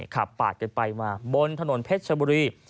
ขับปาดกันไปมาบนถนนเพชรชบุรี